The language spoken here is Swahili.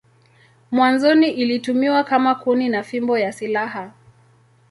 Mwanzoni ilitumiwa kama kuni na fimbo ya silaha.